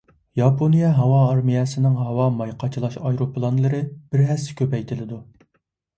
ياپونىيە ھاۋا ئارمىيەسىنىڭ ھاۋا ماي قاچىلاش ئايروپىلانلىرى بىر ھەسسە كۆپەيتىلىدۇ.